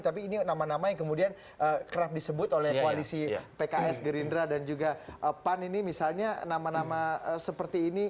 tapi ini nama nama yang kemudian kerap disebut oleh koalisi pks gerindra dan juga pan ini misalnya nama nama seperti ini